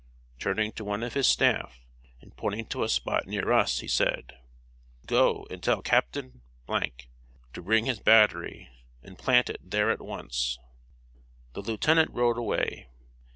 Turning to one of his staff, and pointing to a spot near us, he said: "Go, and tell Captain to bring his battery and plant it there at once!" The lieutenant rode away.